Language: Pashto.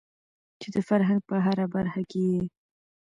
چې د فرهنګ په هره برخه کې يې